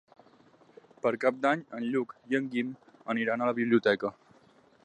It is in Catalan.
Per Cap d'Any en Lluc i en Guim aniran a la biblioteca.